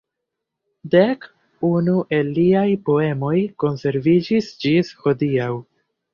Dek unu el liaj poemoj konserviĝis ĝis hodiaŭ.